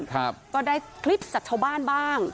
ก็ได้คลิปจากชาวบ้านบ้าง